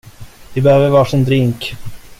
Vi behöver varsin drink!